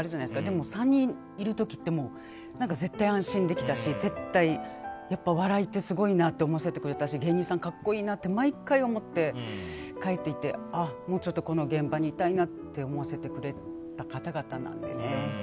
でも、３人いる時って絶対安心できたし笑いってすごいなって思わせてくれたし芸人さん格好いいなと毎回思ってあ、もうちょっとこの現場にいたいなって思わせてくれた方々なのでね。